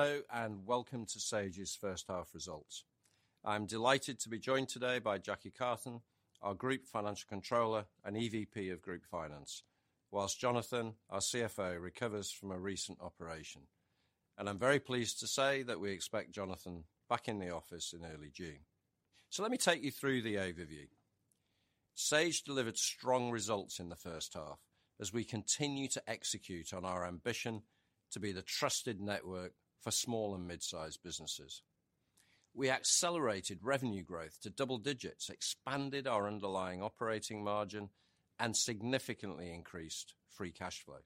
Hello, Welcome to Sage's First Half Results. I'm delighted to be joined today by Jacqui Cartin, our Group Financial Controller and EVP of Group Finance, whilst Jonathan, our CFO, recovers from a recent operation. I'm very pleased to say that we expect Jonathan back in the office in early June. Let me take you through the overview. Sage delivered strong results in the first half as we continue to execute on our ambition to be the trusted network for small and mid-sized businesses. We accelerated revenue growth to double digits, expanded our underlying operating margin, and significantly increased free cash flow.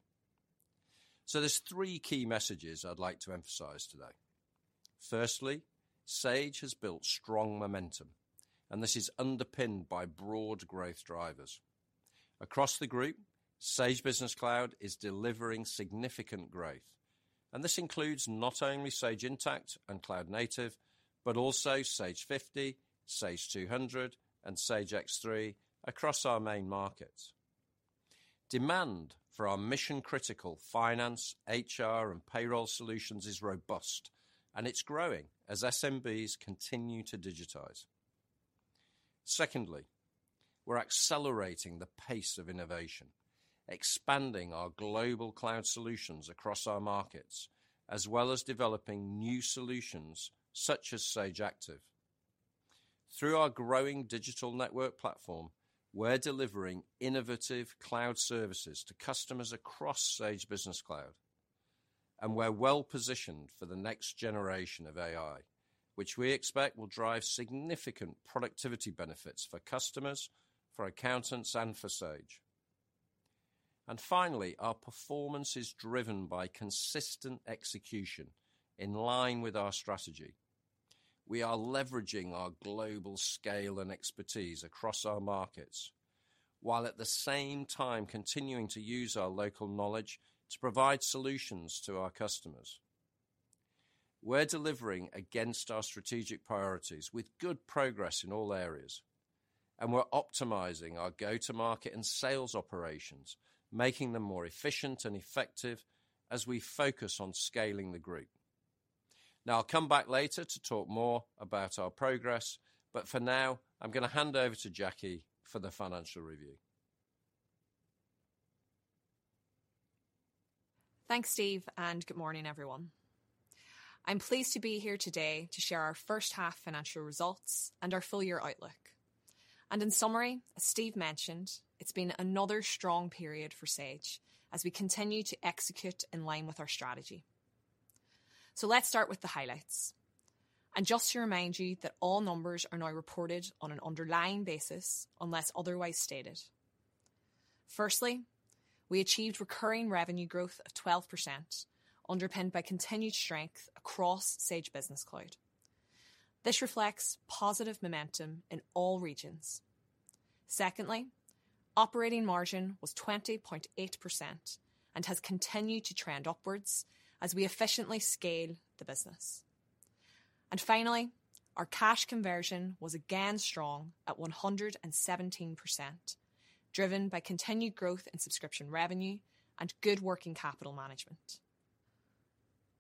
There's three key messages I'd like to emphasize today. Firstly, Sage has built strong momentum, and this is underpinned by broad growth drivers. Across the group, Sage Business Cloud is delivering significant growth. This includes not only Sage Intacct and Cloud Native, but also Sage 50, Sage 200, and Sage X3 across our main markets. Demand for our mission-critical finance, HR, and payroll solutions is robust, and it's growing as SMBs continue to digitize. Secondly, we're accelerating the pace of innovation, expanding our global cloud solutions across our markets, as well as developing new solutions such as Sage Active. Through our growing digital network platform, we're delivering innovative cloud services to customers across Sage Business Cloud, and we're well-positioned for the next generation of AI, which we expect will drive significant productivity benefits for customers, for accountants, and for Sage. Finally, our performance is driven by consistent execution in line with our strategy. We are leveraging our global scale and expertise across our markets, while at the same time continuing to use our local knowledge to provide solutions to our customers. We're delivering against our strategic priorities with good progress in all areas, and we're optimizing our go-to-market and sales operations, making them more efficient and effective as we focus on scaling the group. Now, I'll come back later to talk more about our progress, but for now, I'm gonna hand over to Jacqui for the financial review. Thanks, Steve. Good morning, everyone. I'm pleased to be here today to share our first half financial results and our full year outlook. In summary, as Steve mentioned, it's been another strong period for Sage as we continue to execute in line with our strategy. Let's start with the highlights. Just to remind you that all numbers are now reported on an underlying basis, unless otherwise stated. Firstly, we achieved recurring revenue growth of 12%, underpinned by continued strength across Sage Business Cloud. This reflects positive momentum in all regions. Secondly, operating margin was 20.8% and has continued to trend upwards as we efficiently scale the business. Finally, our cash conversion was again strong at 117%, driven by continued growth in subscription revenue and good working capital management.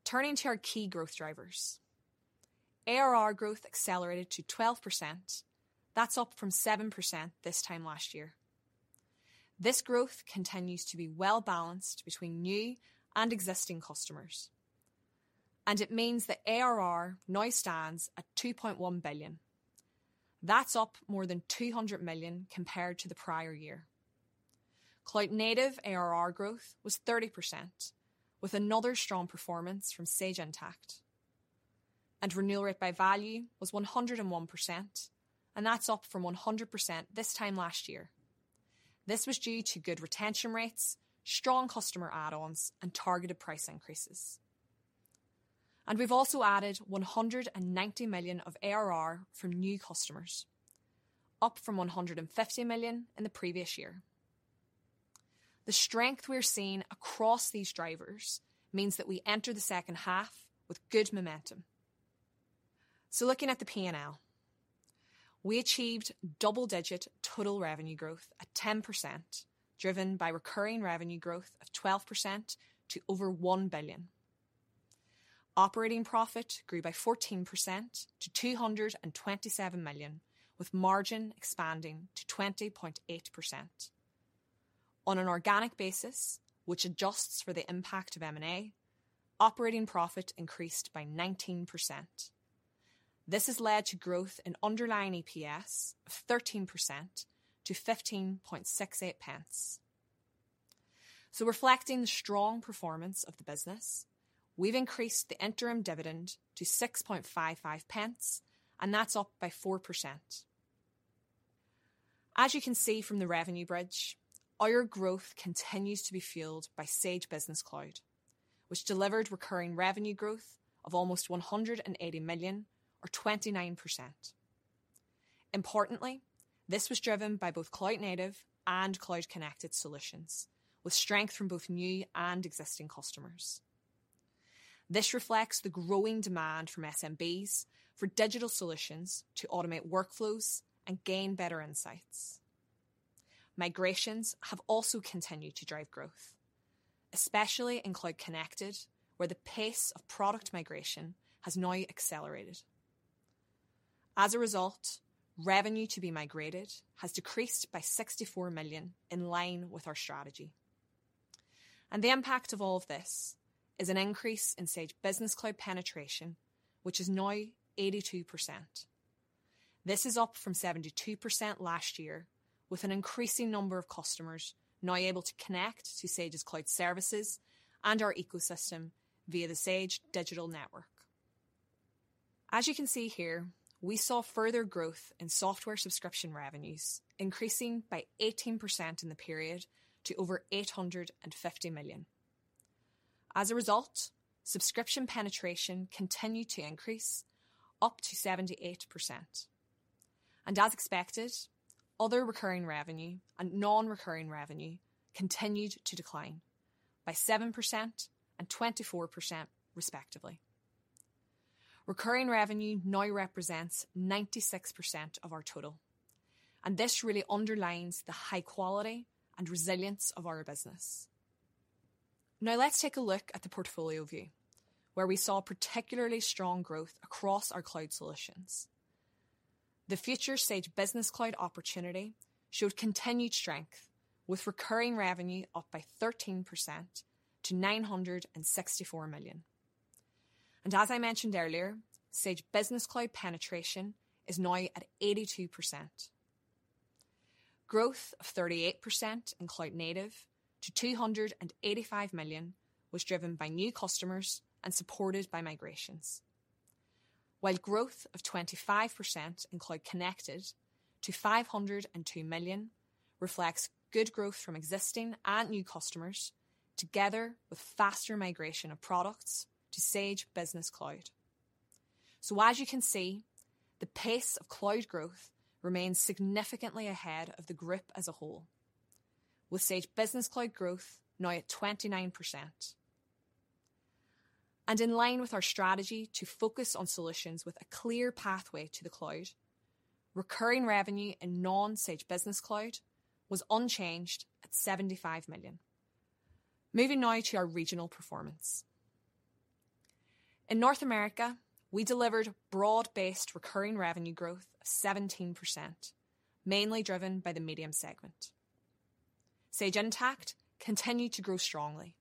Turning to our key growth drivers. ARR growth accelerated to 12%. That's up from 7% this time last year. This growth continues to be well-balanced between new and existing customers, it means that ARR now stands at 2.1 billion. That's up more than 200 million compared to the prior year. Cloud Native ARR growth was 30% with another strong performance from Sage Intacct. Renewal rate by value was 101%, that's up from 100% this time last year. This was due to good retention rates, strong customer add-ons, and targeted price increases. We've also added 190 million of ARR from new customers, up from 150 million in the previous year. The strength we're seeing across these drivers means that we enter the second half with good momentum. Looking at the P&L. We achieved double-digit total revenue growth at 10%, driven by recurring revenue growth of 12% to over 1 billion. Operating profit grew by 14% to 227 million, with margin expanding to 20.8%. On an organic basis, which adjusts for the impact of M&A, operating profit increased by 19%. This has led to growth in underlying EPS of 13% to 0.1568. Reflecting the strong performance of the business, we've increased the interim dividend to 0.0655, and that's up by 4%. As you can see from the revenue bridge, our growth continues to be fueled by Sage Business Cloud, which delivered recurring revenue growth of almost 180 million or 29%. Importantly, this was driven by both Cloud Native and Cloud Connected Solutions with strength from both new and existing customers. This reflects the growing demand from SMBs for digital solutions to automate workflows and gain better insights. Migrations have also continued to drive growth, especially in Cloud Connected, where the pace of product migration has now accelerated. As a result, revenue to be migrated has decreased by 64 million, in line with our strategy. The impact of all of this is an increase in Sage Business Cloud penetration, which is now 82%. This is up from 72% last year, with an increasing number of customers now able to connect to Sage's cloud services and our ecosystem via the Sage Digital Network. As you can see here, we saw further growth in software subscription revenues, increasing by 18% in the period to over 850 million. Subscription penetration continued to increase, up to 78%. As expected, other recurring revenue and non-recurring revenue continued to decline by 7% and 24% respectively. Recurring revenue now represents 96% of our total. This really underlines the high quality and resilience of our business. Let's take a look at the portfolio view, where we saw particularly strong growth across our cloud solutions. The future Sage Business Cloud opportunity showed continued strength, with recurring revenue up by 13% to 964 million. As I mentioned earlier, Sage Business Cloud penetration is now at 82%. Growth of 38% in Cloud Native to 285 million was driven by new customers and supported by migrations. While growth of 25% in Cloud Connected to 502 million reflects good growth from existing and new customers, together with faster migration of products to Sage Business Cloud. As you can see, the pace of cloud growth remains significantly ahead of the group as a whole, with Sage Business Cloud growth now at 29%. In line with our strategy to focus on solutions with a clear pathway to the cloud, recurring revenue in non-Sage Business Cloud was unchanged at 75 million. Moving now to our regional performance. In North America, we delivered broad-based recurring revenue growth of 17%, mainly driven by the medium segment. Sage Intacct continued to grow strongly,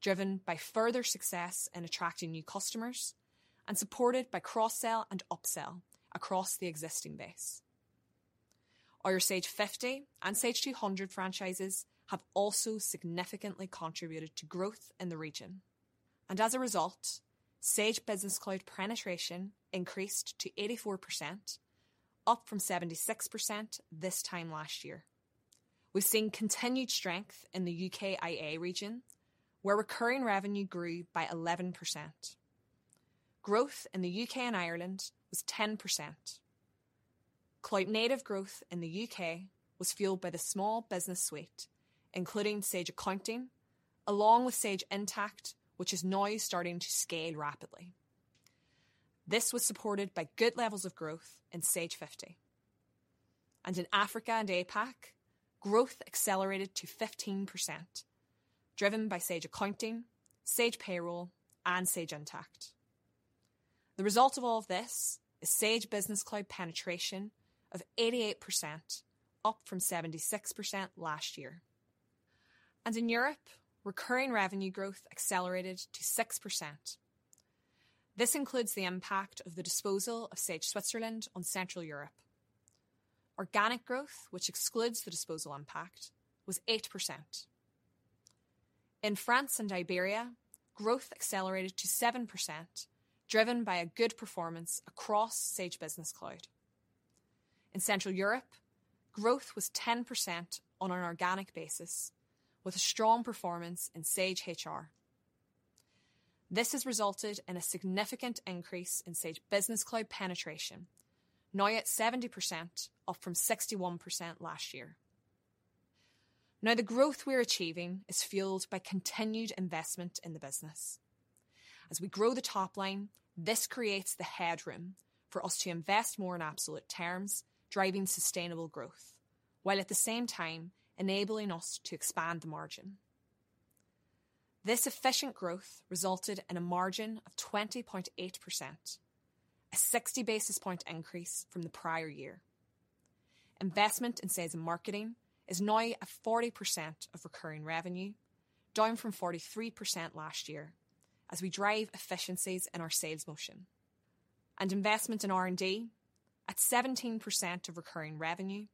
driven by further success in attracting new customers and supported by cross-sell and upsell across the existing base. Our Sage 50 and Sage 200 franchises have also significantly contributed to growth in the region. As a result, Sage Business Cloud penetration increased to 84%, up from 76% this time last year. We've seen continued strength in the UKIA region, where recurring revenue grew by 11%. Growth in the U.K. and Ireland was 10%. Cloud Native growth in the UK was fueled by the small business suite, including Sage Accounting, along with Sage Intacct, which is now starting to scale rapidly. This was supported by good levels of growth in Sage 50. In Africa and APAC, growth accelerated to 15%, driven by Sage Accounting, Sage Payroll, and Sage Intacct. The result of all of this is Sage Business Cloud penetration of 88%, up from 76% last year. In Europe, recurring revenue growth accelerated to 6%. This includes the impact of the disposal of Sage Switzerland on Central Europe. Organic growth, which excludes the disposal impact, was 8%. In France and Iberia, growth accelerated to 7%, driven by a good performance across Sage Business Cloud. In Central Europe, growth was 10% on an organic basis, with a strong performance in Sage HR. This has resulted in a significant increase in Sage Business Cloud penetration, now at 70%, up from 61% last year. The growth we're achieving is fueled by continued investment in the business. As we grow the top line, this creates the headroom for us to invest more in absolute terms, driving sustainable growth, while at the same time enabling us to expand the margin. This efficient growth resulted in a margin of 20.8%, a 60 basis point increase from the prior year. Investment in sales and marketing is now at 40% of recurring revenue, down from 43% last year, as we drive efficiencies in our sales motion. Investment in R&D at 17% of recurring revenue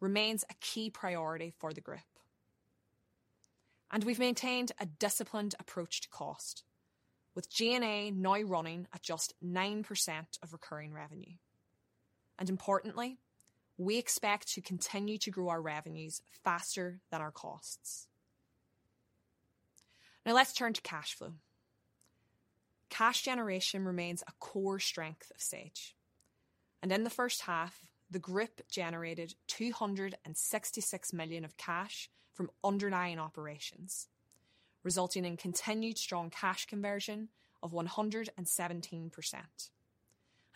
remains a key priority for the group. We've maintained a disciplined approach to cost, with G&A now running at just 9% of recurring revenue. Importantly, we expect to continue to grow our revenues faster than our costs. Now let's turn to cash flow. Cash generation remains a core strength of Sage, and in the first half, the group generated 266 million of cash from underlying operations, resulting in continued strong cash conversion of 117%.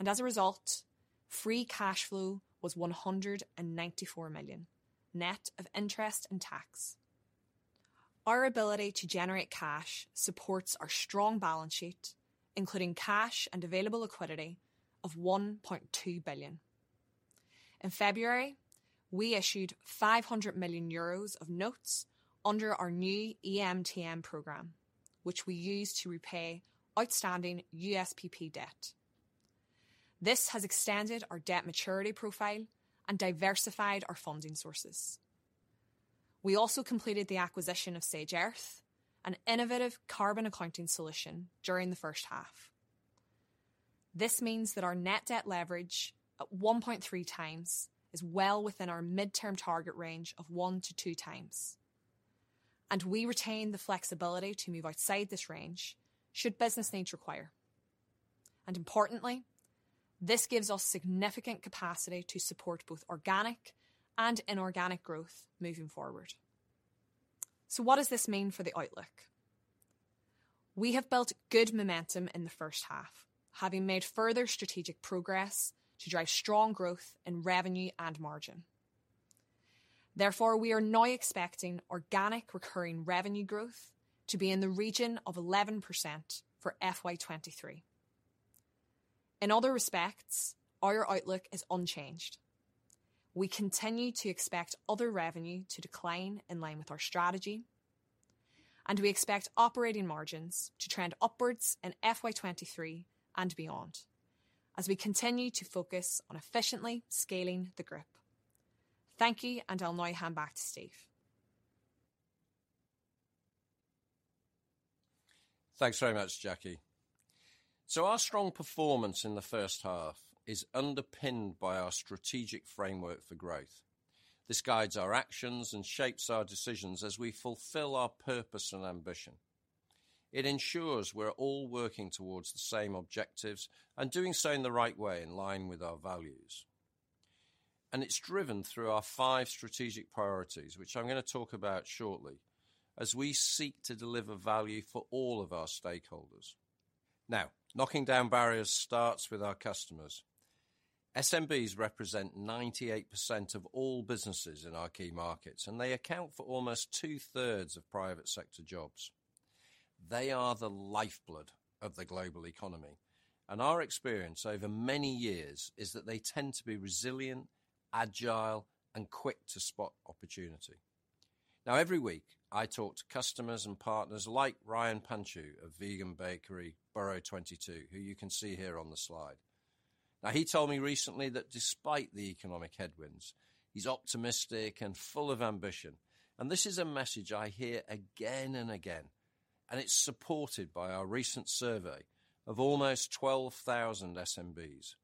As a result, free cash flow was 194 million, net of interest and tax. Our ability to generate cash supports our strong balance sheet, including cash and available liquidity of 1.2 billion. In February, we issued 500 million euros of notes under our new EMTN program, which we use to repay outstanding USPP debt. This has extended our debt maturity profile and diversified our funding sources. We also completed the acquisition of Sage Earth, an innovative carbon accounting solution, during the first half. This means that our net debt leverage, at 1.3x, is well within our midterm target range of 1-2x. We retain the flexibility to move outside this range should business needs require. Importantly, this gives us significant capacity to support both organic and inorganic growth moving forward. What does this mean for the outlook? We have built good momentum in the first half, having made further strategic progress to drive strong growth in revenue and margin. We are now expecting organic recurring revenue growth to be in the region of 11% for FY23. In other respects, our outlook is unchanged. We continue to expect other revenue to decline in line with our strategy. We expect operating margins to trend upwards in FY23 and beyond, as we continue to focus on efficiently scaling the group. Thank you. I'll now hand back to Steve. Thanks very much, Jacqui. Our strong performance in the first half is underpinned by our strategic framework for growth. This guides our actions and shapes our decisions as we fulfill our purpose and ambition. It ensures we're all working towards the same objectives and doing so in the right way in line with our values. It's driven through our five strategic priorities, which I'm gonna talk about shortly, as we seek to deliver value for all of our stakeholders. Now, knocking down barriers starts with our customers. SMBs represent 98% of all businesses in our key markets, and they account for almost two-thirds of private sector jobs. They are the lifeblood of the global economy, and our experience over many years is that they tend to be resilient, agile, and quick to spot opportunity. Every week, I talk to customers and partners like Ryan Panchoo of Vegan Bakery, Borough 22, who you can see here on the slide. He told me recently that despite the economic headwinds, he's optimistic and full of ambition. This is a message I hear again and again, and it's supported by our recent survey of almost 12,000 SMBs,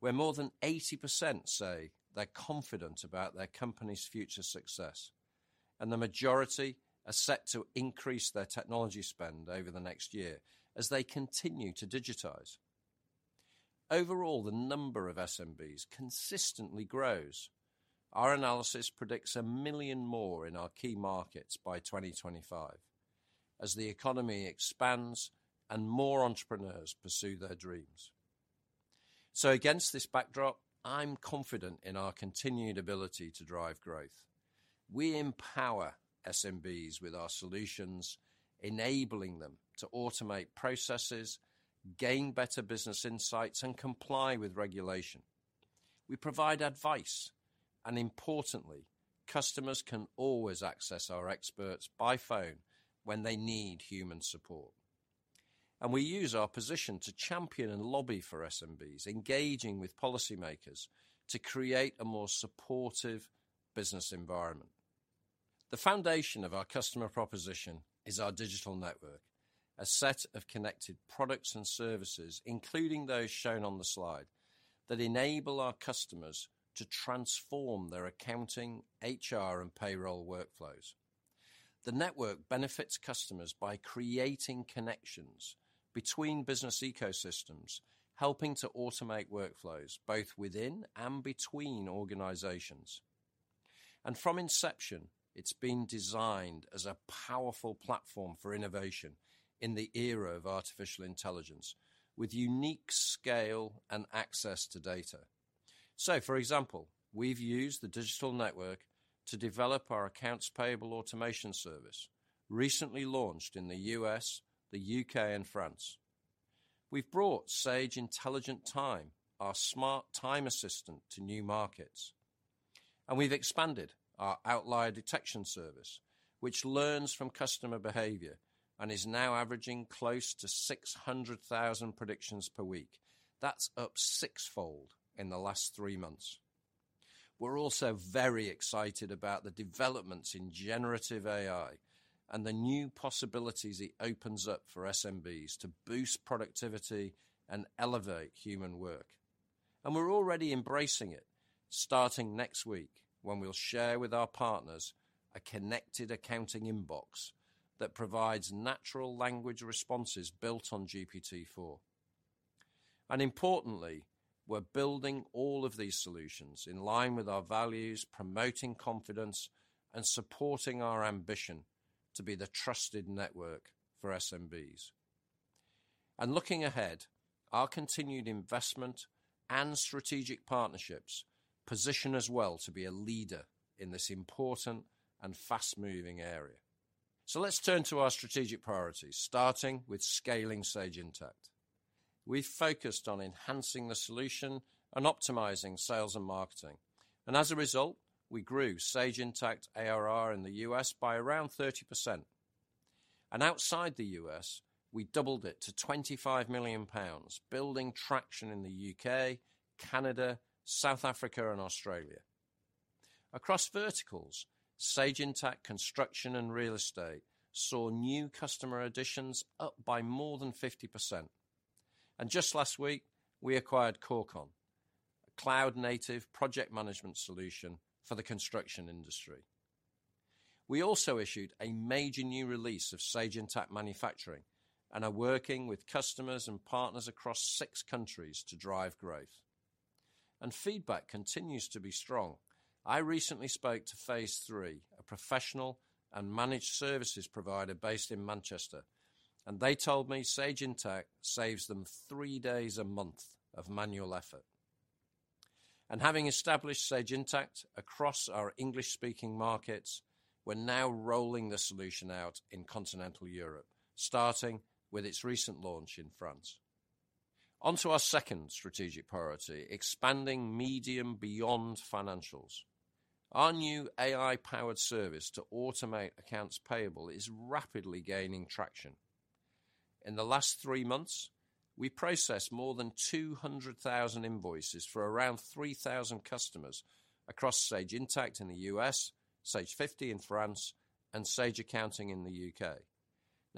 where more than 80% say they're confident about their company's future success. The majority are set to increase their technology spend over the next year as they continue to digitize. Overall, the number of SMBs consistently grows. Our analysis predicts 1 million more in our key markets by 2025, as the economy expands and more entrepreneurs pursue their dreams. Against this backdrop, I'm confident in our continued ability to drive growth. We empower SMBs with our solutions, enabling them to automate processes, gain better business insights, and comply with regulation. We provide advice, importantly, customers can always access our experts by phone when they need human support. We use our position to champion and lobby for SMBs, engaging with policymakers to create a more supportive business environment. The foundation of our customer proposition is our digital network, a set of connected products and services, including those shown on the slide, that enable our customers to transform their accounting, HR, and payroll workflows. The network benefits customers by creating connections between business ecosystems, helping to automate workflows, both within and between organizations. From inception, it's been designed as a powerful platform for innovation in the era of artificial intelligence with unique scale and access to data. For example, we've used the digital network to develop our accounts payable automation service, recently launched in the U.S., the U.K., and France. We've brought Sage Intelligent Time, our smart time assistant, to new markets. We've expanded our outlier detection service, which learns from customer behavior and is now averaging close to 600,000 predictions per week. That's up six-fold in the last three months. We're also very excited about the developments in generative AI and the new possibilities it opens up for SMBs to boost productivity and elevate human work. We're already embracing it, starting next week, when we'll share with our partners a connected accounting inbox that provides natural language responses built on GPT-4. Importantly, we're building all of these solutions in line with our values, promoting confidence and supporting our ambition. To be the trusted network for SMBs. Looking ahead, our continued investment and strategic partnerships position us well to be a leader in this important and fast-moving area. Let's turn to our strategic priorities, starting with scaling Sage Intacct. We focused on enhancing the solution and optimizing sales and marketing. As a result, we grew Sage Intacct ARR in the U.S. by around 30%. Outside the U.S., we doubled it to 25 million pounds, building traction in the U.K., Canada, South Africa, and Australia. Across verticals, Sage Intacct Construction and Real Estate saw new customer additions up by more than 50%. Just last week, we acquired Corecon, a cloud-native project management solution for the construction industry. We also issued a major new release of Sage Intacct Manufacturing and are working with customers and partners across six countries to drive growth. Feedback continues to be strong. I recently spoke to Phase 3, a professional and managed services provider based in Manchester. They told me Sage Intacct saves them three days a month of manual effort. Having established Sage Intacct across our English-speaking markets, we're now rolling the solution out in continental Europe, starting with its recent launch in France. On to our second strategic priority, expanding Medium beyond financials. Our new AI-powered service to automate accounts payable is rapidly gaining traction. In the last three months, we processed more than 200,000 invoices for around 3,000 customers across Sage Intacct in the U.S., Sage 50 in France, and Sage Accounting in the U.K.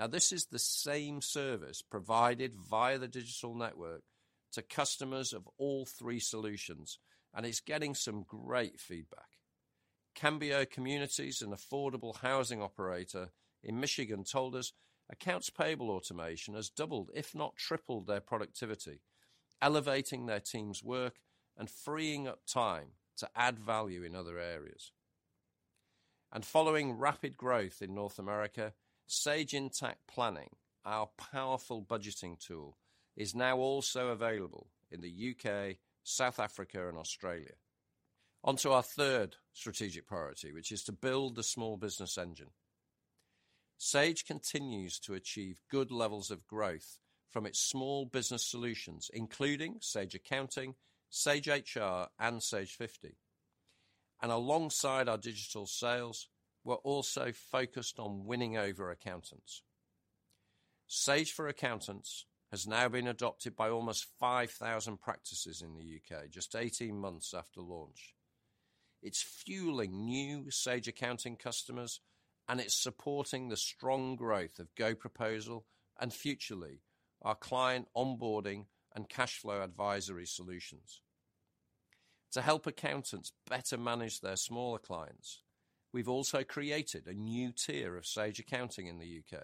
This is the same service provided via the digital network to customers of all three solutions. It's getting some great feedback. Cambio Communities, an affordable housing operator in Michigan, told us accounts payable automation has doubled, if not tripled, their productivity, elevating their team's work and freeing up time to add value in other areas. Following rapid growth in North America, Sage Intacct Planning, our powerful budgeting tool, is now also available in the U.K., South Africa, and Australia. On to our third strategic priority, which is to build the small business engine. Sage continues to achieve good levels of growth from its small business solutions, including Sage Accounting, Sage HR, and Sage 50. Alongside our digital sales, we're also focused on winning over accountants. Sage for Accountants has now been adopted by almost 5,000 practices in the U.K. just 18 months after launch. It's fueling new Sage Accounting customers. It's supporting the strong growth of GoProposal and, Futrli, our client onboarding and cash flow advisory solutions. To help accountants better manage their smaller clients, we've also created a new tier of Sage Accounting in the U.K.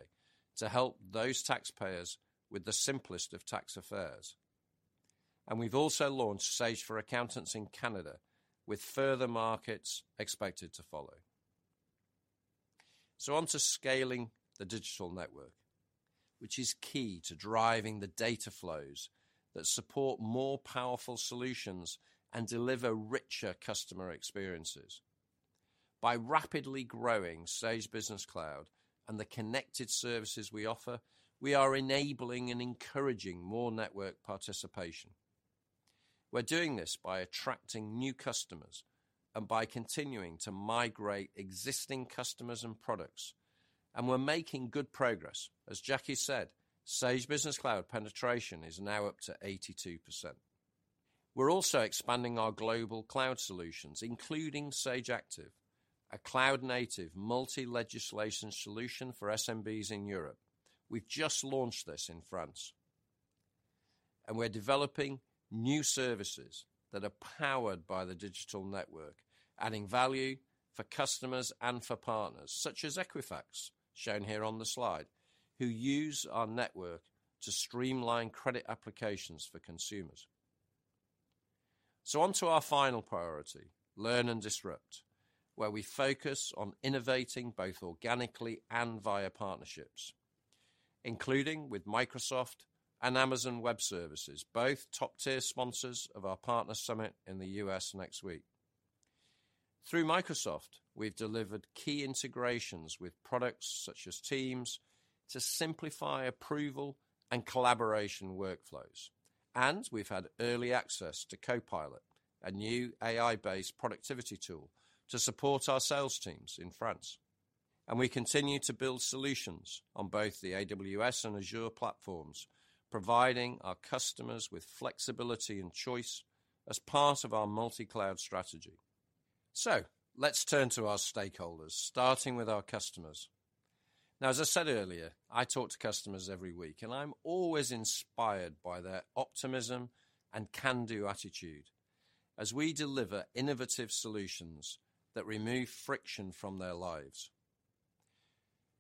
to help those taxpayers with the simplest of tax affairs. We've also launched Sage for Accountants in Canada, with further markets expected to follow. On to scaling the digital network, which is key to driving the data flows that support more powerful solutions and deliver richer customer experiences. By rapidly growing Sage Business Cloud and the connected services we offer, we are enabling and encouraging more network participation. We're doing this by attracting new customers and by continuing to migrate existing customers and products, and we're making good progress. As Jacqui said, Sage Business Cloud penetration is now up to 82%. We're also expanding our global Cloud-native solutions, including Sage Active, a cloud-native multi-legislation solution for SMBs in Europe. We've just launched this in France. We're developing new services that are powered by the digital network, adding value for customers and for partners, such as Equifax, shown here on the slide, who use our network to streamline credit applications for consumers. On to our final priority, learn and disrupt, where we focus on innovating both organically and via partnerships, including with Microsoft and Amazon Web Services, both top-tier sponsors of our partner summit in the U.S. next week. Through Microsoft, we've delivered key integrations with products such as Teams to simplify approval and collaboration workflows. We've had early access to Copilot, a new AI-based productivity tool, to support our sales teams in France. We continue to build solutions on both the AWS and Azure platforms, providing our customers with flexibility and choice as part of our multi-cloud strategy. Let's turn to our stakeholders, starting with our customers. As I said earlier, I talk to customers every week, and I'm always inspired by their optimism and can-do attitude as we deliver innovative solutions that remove friction from their lives.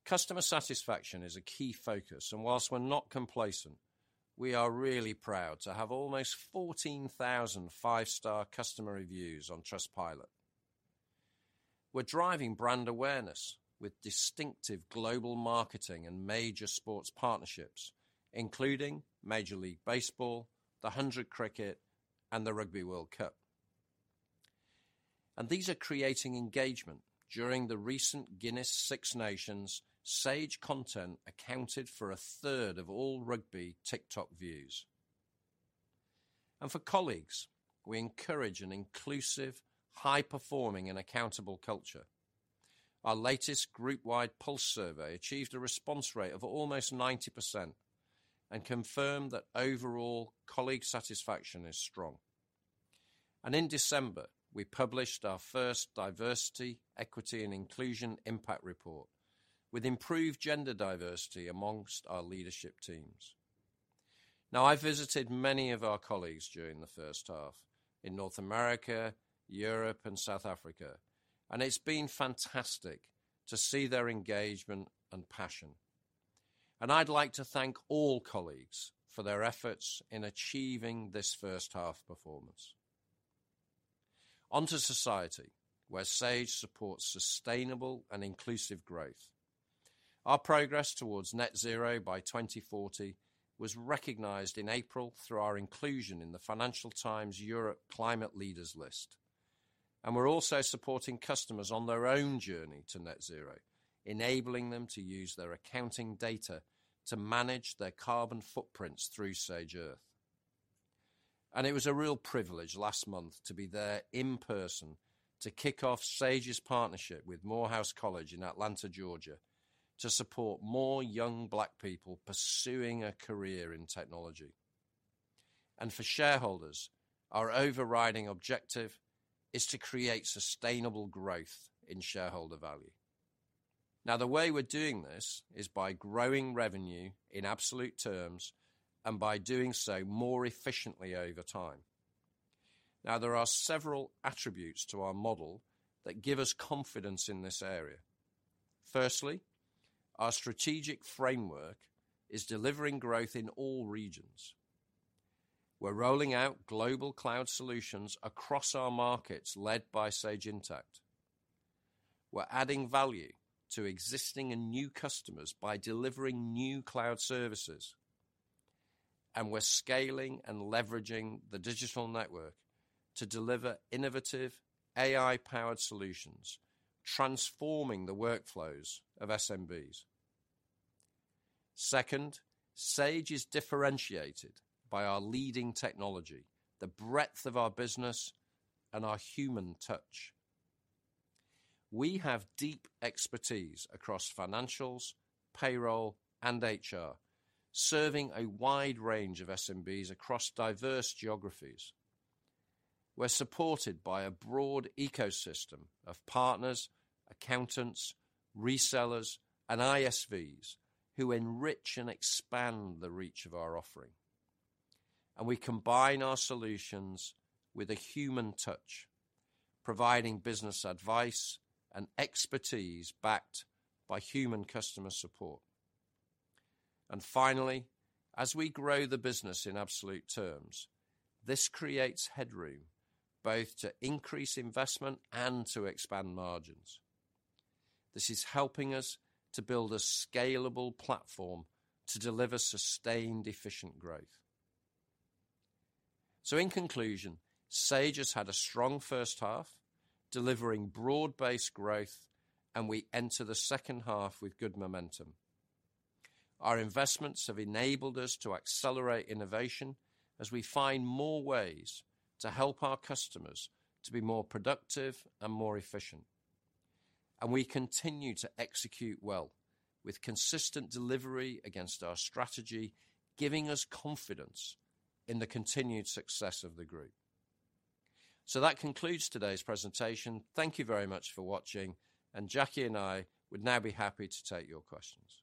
Customer satisfaction is a key focus, and whilst we're not complacent. We are really proud to have almost 14,000 five-star customer reviews on Trustpilot. We're driving brand awareness with distinctive global marketing and major sports partnerships, including Major League Baseball, The Hundred cricket, and the Rugby World Cup. These are creating engagement. During the recent Guinness Six Nations, Sage content accounted for a third of all rugby TikTok views. For colleagues, we encourage an inclusive, high-performing, and accountable culture. Our latest group-wide pulse survey achieved a response rate of almost 90% and confirmed that overall colleague satisfaction is strong. In December, we published our first diversity, equity, and inclusion impact report with improved gender diversity amongst our leadership teams. I visited many of our colleagues during the first half in North America, Europe, and South Africa, and it's been fantastic to see their engagement and passion. I'd like to thank all colleagues for their efforts in achieving this first half performance. On to society, where Sage supports sustainable and inclusive growth. Our progress towards net zero by 2040 was recognized in April through our inclusion in the Financial Times Europe Climate Leaders list. We're also supporting customers on their own journey to net zero, enabling them to use their accounting data to manage their carbon footprints through Sage Earth. It was a real privilege last month to be there in person to kick off Sage's partnership with Morehouse College in Atlanta, Georgia, to support more young Black people pursuing a career in technology. For shareholders, our overriding objective is to create sustainable growth in shareholder value. The way we're doing this is by growing revenue in absolute terms and by doing so more efficiently over time. There are several attributes to our model that give us confidence in this area. Firstly, our strategic framework is delivering growth in all regions. We're rolling out global cloud solutions across our markets, led by Sage Intacct. We're adding value to existing and new customers by delivering new cloud services. We're scaling and leveraging the digital network to deliver innovative AI-powered solutions, transforming the workflows of SMBs. Second, Sage is differentiated by our leading technology, the breadth of our business, and our human touch. We have deep expertise across financials, payroll, and HR, serving a wide range of SMBs across diverse geographies. We're supported by a broad ecosystem of partners, accountants, resellers, and ISVs who enrich and expand the reach of our offering. We combine our solutions with a human touch, providing business advice and expertise backed by human customer support. Finally, as we grow the business in absolute terms, this creates headroom both to increase investment and to expand margins. This is helping us to build a scalable platform to deliver sustained efficient growth. In conclusion, Sage has had a strong first half, delivering broad-based growth, and we enter the second half with good momentum. Our investments have enabled us to accelerate innovation as we find more ways to help our customers to be more productive and more efficient. We continue to execute well with consistent delivery against our strategy, giving us confidence in the continued success of the group. That concludes today's presentation. Thank you very much for watching, and Jacqui and I would now be happy to take your questions.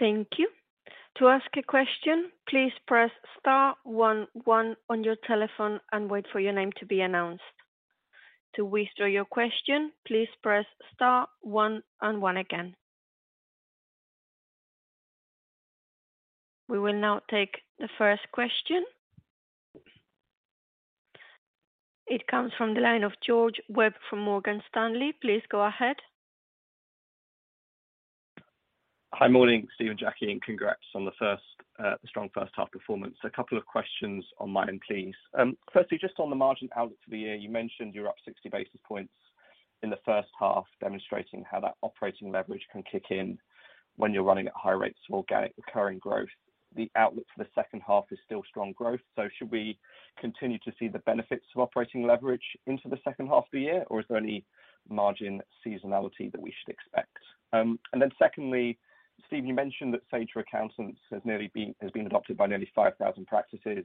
Thank you. To ask a question, please press star one one on your telephone and wait for your name to be announced. To withdraw your question, please press star one and one again. We will now take the first question. It comes from the line of George Webb from Morgan Stanley. Please go ahead. Hi. Morning, Steve and Jacqui, congrats on the first strong first half performance. A couple of questions on my end, please. Firstly, just on the margin outlook for the year, you mentioned you're up 60 basis points in the first half, demonstrating how that operating leverage can kick in when you're running at high rates of organic recurring growth. The outlook for the second half is still strong growth. Should we continue to see the benefits of operating leverage into the second half of the year, or is there any margin seasonality that we should expect? Secondly, Steve, you mentioned that Sage for Accountants has been adopted by nearly 5,000 practices.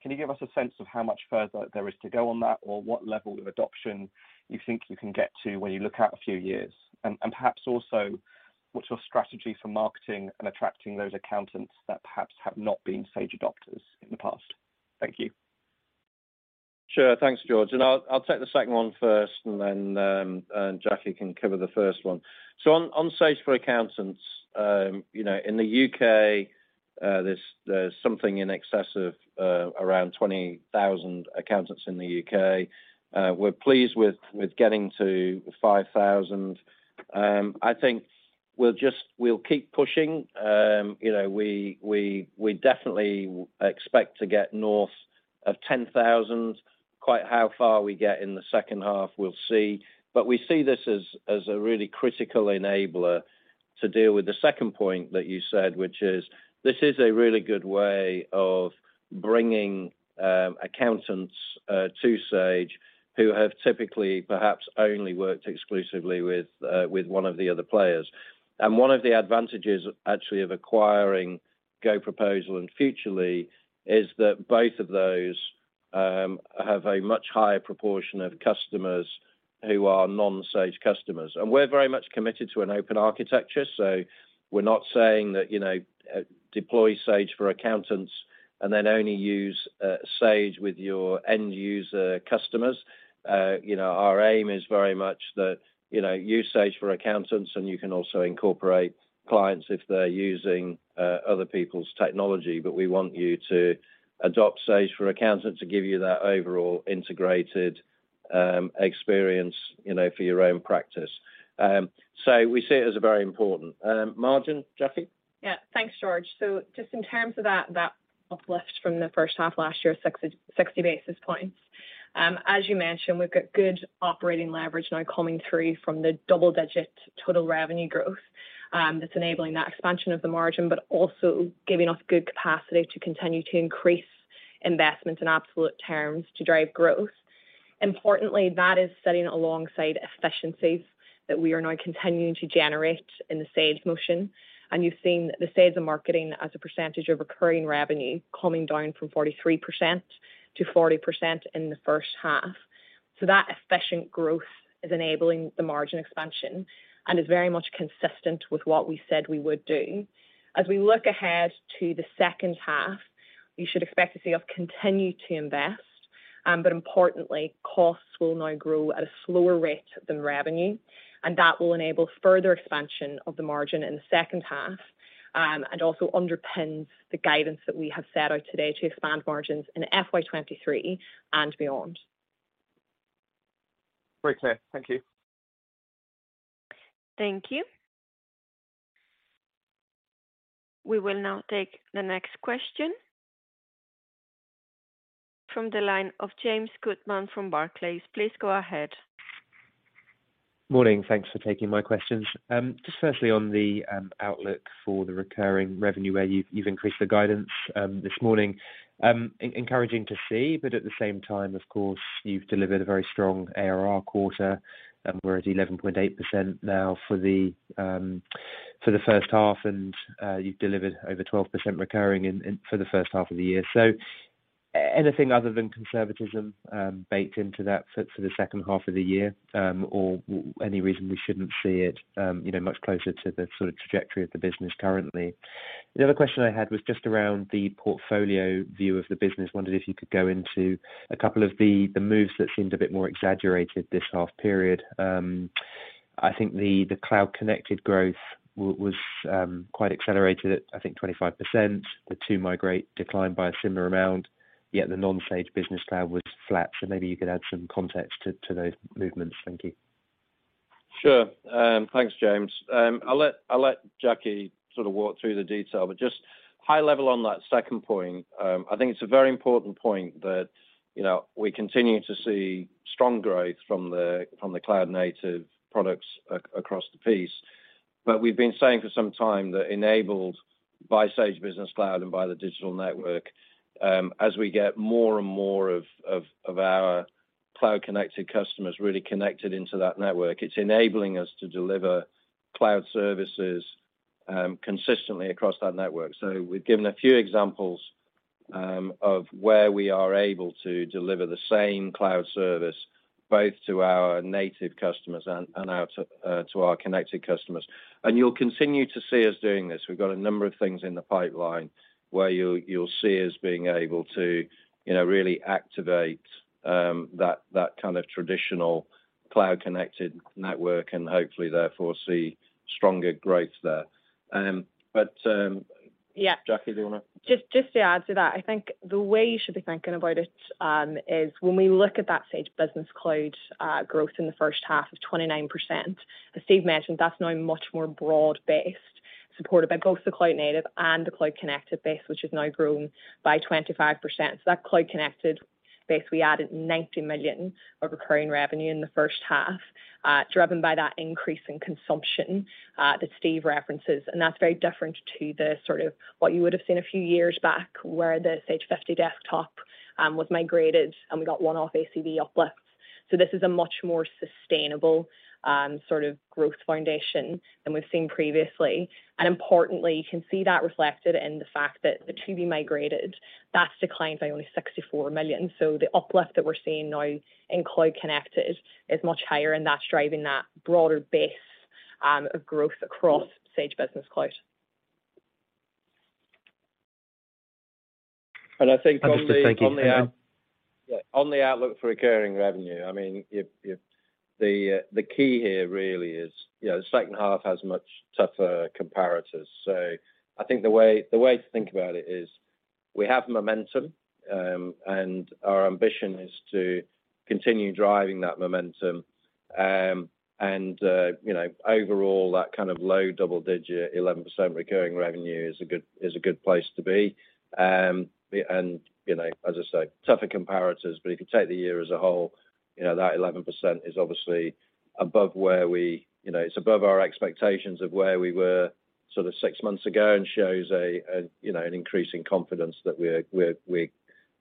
Can you give us a sense of how much further there is to go on that or what level of adoption you think you can get to when you look out a few years? Perhaps also what's your strategy for marketing and attracting those accountants that perhaps have not been Sage adopters in the past? Thank you. Sure. Thanks, George. I'll take the second one first, and then Jacqui Cartin can cover the first one. On Sage for Accountants, you know, in the U.K., there's something in excess of around 20,000 accountants in the U.K. We're pleased with getting to 5,000. I think we'll keep pushing. You know, we definitely expect to get north of 10,000. Quite how far we get in the second half, we'll see. We see this as a really critical enabler to deal with the second point that you said, which is, this is a really good way of bringing accountants to Sage who have typically perhaps only worked exclusively with one of the other players. One of the advantages actually of acquiring GoProposal and Futrli is that both of those have a much higher proportion of customers who are non-Sage customers. We're very much committed to an open architecture, so we're not saying that, you know, deploy Sage for Accountants and then only use Sage with your end user customers. You know, our aim is very much that, you know, use Sage for Accountants, and you can also incorporate clients if they're using other people's technology. We want you to adopt Sage for Accountants to give you that overall integrated experience, you know, for your own practice. So we see it as a very important. Margin, Jacqui Cartin? Yeah. Thanks, George. Just in terms of that uplift from the first half last year, 60 basis points. As you mentioned, we've got good operating leverage now coming through from the double-digit total revenue growth, that's enabling that expansion of the margin, but also giving us good capacity to continue to increase investments in absolute terms to drive growth. Importantly, that is sitting alongside efficiencies that we are now continuing to generate in the sales motion, and you've seen the sales and marketing as a percentage of recurring revenue coming down from 43%-40% in the first half. That efficient growth is enabling the margin expansion and is very much consistent with what we said we would do. As we look ahead to the second half, you should expect to see us continue to invest, but importantly, costs will now grow at a slower rate than revenue, and that will enable further expansion of the margin in the second half, and also underpins the guidance that we have set out today to expand margins in FY23 and beyond. Very clear. Thank you. Thank you. We will now take the next question from the line of James Goodman from Barclays. Please go ahead. Morning. Thanks for taking my questions. Just firstly on the outlook for the recurring revenue where you've increased the guidance this morning, encouraging to see, but at the same time, of course, you've delivered a very strong ARR quarter, and we're at 11.8% now for the first half, and you've delivered over 12% recurring in for the first half of the year. Anything other than conservatism baked into that for the second half of the year, or any reason we shouldn't see it, you know, much closer to the sort of trajectory of the business currently? The other question I had was just around the portfolio view of the business. Wondered if you could go into a couple of the moves that seemed a bit more exaggerated this half period. I think the Cloud Connected growth was quite accelerated at, I think, 25%. The To Migrate declined by a similar amount, yet the non-Sage Business Cloud was flat. Maybe you could add some context to those movements. Thank you. Sure. Thanks, James. I'll let Jacqui sort of walk through the detail, but just high level on that second point, I think it's a very important point that, you know, we continue to see strong growth from the cloud native products across the piece. We've been saying for some time that enabled by Sage Business Cloud and by the digital network, as we get more and more of our cloud-connected customers really connected into that network, it's enabling us to deliver cloud services consistently across that network. We've given a few examples of where we are able to deliver the same cloud service both to our native customers and to our connected customers. You'll continue to see us doing this. We've got a number of things in the pipeline where you'll see us being able to, you know, really activate that kind of traditional Cloud Connected network and hopefully therefore see stronger growth there. Yeah. Jacqui, do you... Just to add to that, I think the way you should be thinking about it, is when we look at that Sage Business Cloud growth in the first half of 29%, as Steve mentioned, that's now much more broad-based, supported by both the Cloud Native and the Cloud Connected base, which has now grown by 25%. That Cloud Connected base, we added 90 million of recurring revenue in the first half, driven by that increase in consumption that Steve references, and that's very different to the sort of what you would have seen a few years back, where the Sage 50 desktop was migrated, and we got one-off ACV uplifts. This is a much more sustainable sort of growth foundation than we've seen previously. Importantly, you can see that reflected in the fact that the To Be Migrated, that's declined by only 64 million. The uplift that we're seeing now in Cloud Connected is much higher, and that's driving that broader base of growth across Sage Business Cloud. I think on the. Understood. Thank you. On the outlook for recurring revenue, I mean, if the key here really is, you know, second half has much tougher comparators. I think the way to think about it is we have momentum, and our ambition is to continue driving that momentum. You know, overall, that kind of low double digit 11% recurring revenue is a good place to be. You know, as I say, tougher comparators, but if you take the year as a whole, you know, that 11% is obviously above where we, you know, it's above our expectations of where we were sort of six months ago and shows a, you know, an increasing confidence that we're, you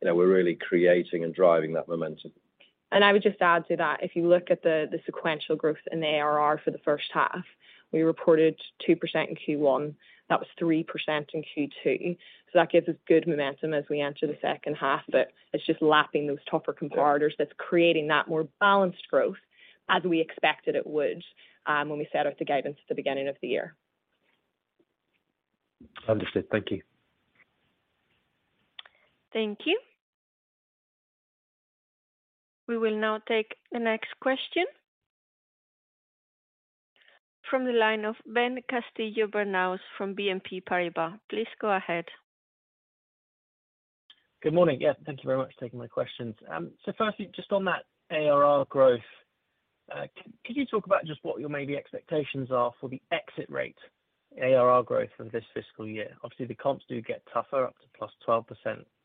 know, we're really creating and driving that momentum. I would just add to that, if you look at the sequential growth in the ARR for the first half, we reported 2% in Q1, that was 3% in Q2. That gives us good momentum as we enter the second half. It's just lapping those tougher comparators that's creating that more balanced growth as we expected it would, when we set out the guidance at the beginning of the year. Understood. Thank you. Thank you. We will now take the next question from the line of Ben Castillo-Bernaus from BNP Paribas. Please go ahead. Good morning. Yeah, thank you very much for taking my questions. Firstly, just on that ARR growth, could you talk about just what your maybe expectations are for the exit rate, ARR growth of this FY? Obviously, the comps do get tougher, up to +12%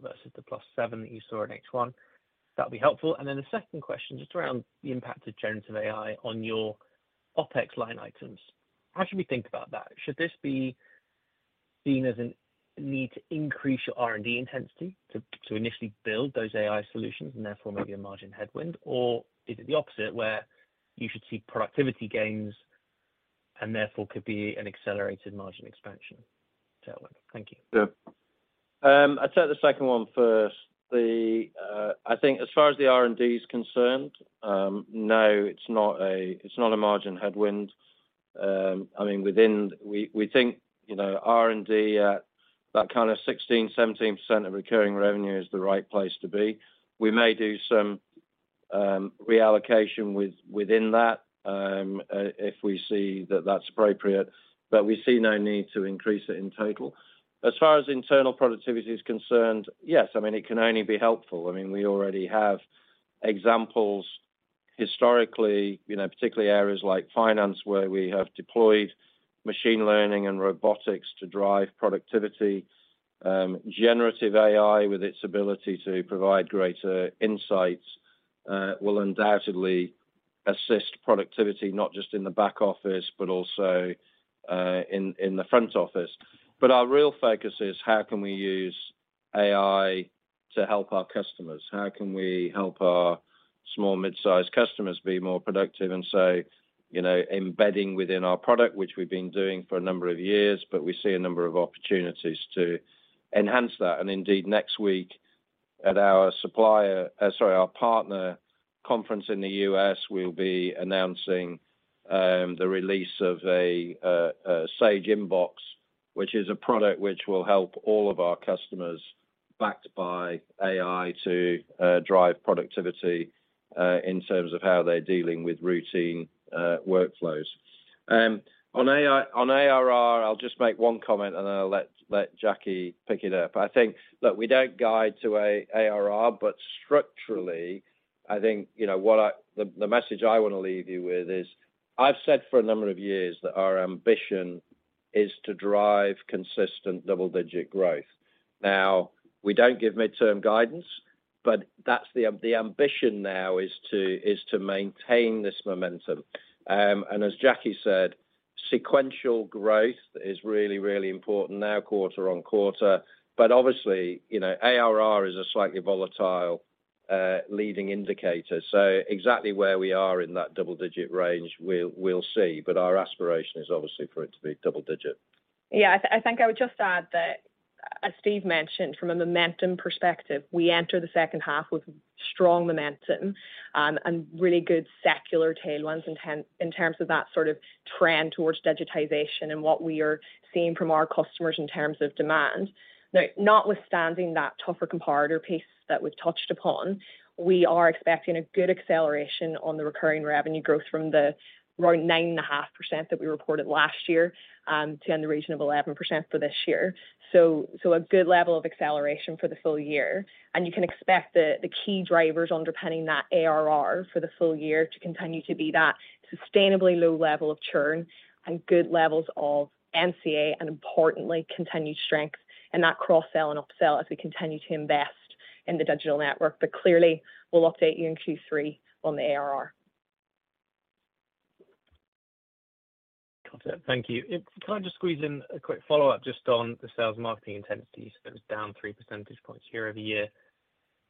vs the +7% that you saw in H1. That'd be helpful. The second question, just around the impact of generative AI on your OpEx line items. How should we think about that? Should this be seen as a need to increase your R&D intensity to initially build those AI solutions and therefore maybe a margin headwind? Is it the opposite where you should see productivity gains and therefore could be an accelerated margin expansion tailwind? Thank you. Sure. I'd take the second one first. I think as far as the R&D is concerned, no, it's not a margin headwind. I mean, we think, you know, R&D at that kind of 16%, 17% of recurring revenue is the right place to be. We may do some reallocation within that, if we see that that's appropriate, but we see no need to increase it in total. As far as internal productivity is concerned, yes, I mean, it can only be helpful. I mean, we already have examples historically, you know, particularly areas like finance, where we have deployed machine learning and robotics to drive productivity. Generative AI with its ability to provide greater insights will undoubtedly assist productivity not just in the back office, but also in the front office. Our real focus is how can we use AI to help our customers? How can we help our small midsize customers be more productive and so, you know, embedding within our product, which we've been doing for a number of years, but we see a number of opportunities to enhance that. Indeed, next week at our supplier, sorry, our partner conference in the U.S., we'll be announcing the release of a Sage Inbox, which is a product which will help all of our customers backed by AI to drive productivity in terms of how they're dealing with routine workflows. On AI-- on ARR, I'll just make one comment, and then I'll let Jacqui pick it up. I think that we don't guide to ARR, but structurally, I think, you know the message I want to leave you with is, I've said for a number of years that our ambition is to drive consistent double-digit growth. We don't give midterm guidance, but that's the ambition now is to maintain this momentum. As Jacqui said, sequential growth is really, really important now quarter-on-quarter. Obviously, you know, ARR is a slightly volatile leading indicator. Exactly where we are in that double-digit range, we'll see. Our aspiration is obviously for it to be double-digit. I think I would just add that, as Steve mentioned, from a momentum perspective, we enter the second half with strong momentum, and really good secular tailwinds in terms of that sort of trend towards digitization and what we are seeing from our customers in terms of demand. Notwithstanding that tougher comparator pace that we've touched upon, we are expecting a good acceleration on the recurring revenue growth from the around 9.5% that we reported last year, to the region of 11% for this year. A good level of acceleration for the full year. You can expect the key drivers underpinning that ARR for the full year to continue to be that sustainably low level of churn and good levels of NCA, and importantly, continued strength in that cross-sell and upsell as we continue to invest in the digital network. Clearly, we'll update you in Q3 on the ARR. Got it. Thank you. If I can just squeeze in a quick follow-up just on the sales marketing intensity. It was down 3 percentage points year-over-year.